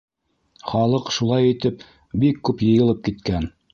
Халыҡ шулай итеп, бик күп йыйылып киткән.